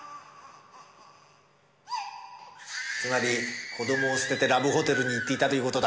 つまり子供を捨ててラブホテルに行っていたという事だな。